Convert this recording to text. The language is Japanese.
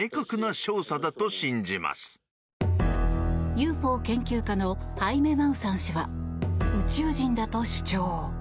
ＵＦＯ研究家のハイメ・マウサン氏は宇宙人だと主張。